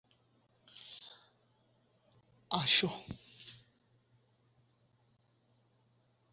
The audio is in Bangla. দলগুলো হল: আর্জেন্টিনা, ইংল্যান্ড, ইতালি এবং পশ্চিম জার্মানি।